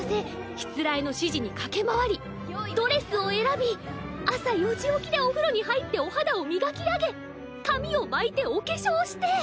しつらえの指示に駆け回りドレスを選び朝４時起きでお風呂に入ってお肌を磨き上げ髪を巻いてお化粧して。